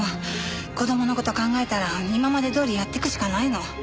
子供の事を考えたら今までどおりやっていくしかないの。